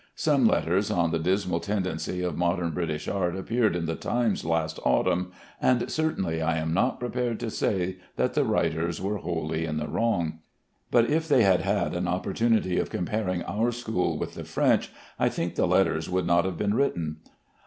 Some letters on the dismal tendency of modern British art appeared in the Times last autumn, and certainly I am not prepared to say that the writers were wholly in the wrong. But if they had had an opportunity of comparing our school with the French, I think the letters would not have been written.